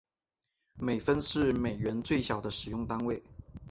美分是美元最小的使用单位。